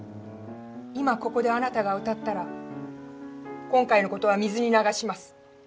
今ここであなたが歌ったら今回のことは水に流します。